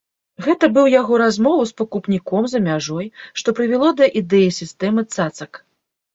Гэта быў яго размову з пакупніком за мяжой, што прывяло да ідэі сістэмы цацак.